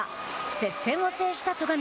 接戦を制した戸上。